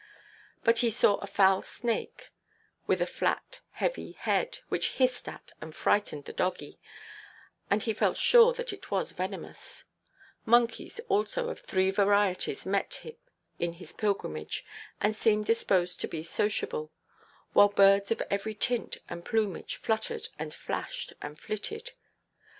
But he saw a foul snake, with a flat heavy head, which hissed at and frightened the doggie, and he felt sure that it was venomous: monkeys also of three varieties met him in his pilgrimage, and seemed disposed to be sociable; while birds of every tint and plumage fluttered, and flashed, and flitted.